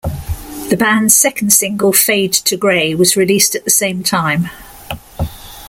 The band's second single, "Fade to Grey", was released at the same time.